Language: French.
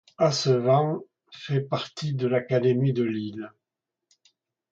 Assevent fait partie de l'académie de Lille.